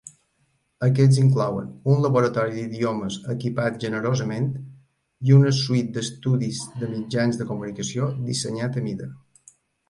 Aquests inclouen un laboratori d'idiomes equipat generosament i una suite d'estudis de mitjans de comunicació dissenyat a mida.